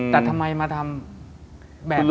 แต่ทำไมมาทำแบบนี้